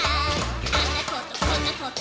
「あんなことこんなこと」